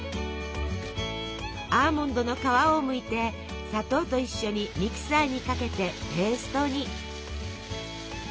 アーモンドの皮をむいて砂糖と一緒にミキサーにかけてペーストに。